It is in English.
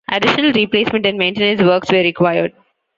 Additional replacement and maintenance works were required.